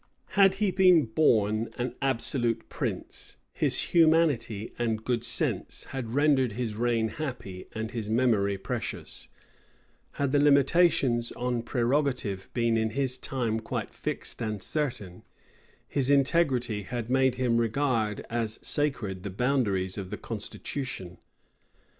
Had he been born an absolute prince, his humanity and good sense had rendered his reign happy and his memory precious; had the limitations on prerogative been in his time quite fixed and certain, his integrity had made him regard as sacred the boundaries of the constitution.